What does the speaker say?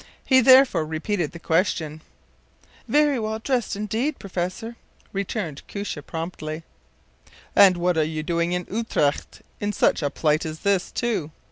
He therefore repeated the question. “Very well dressed indeed, professor,” returned Koosje, promptly. “And what are you doing in Utrecht in such a plight as this, too?